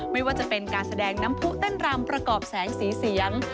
ไม่ว่าจะเป็นการแสดงน้ำผู้เต้นรำประกอบแสงสีเสียง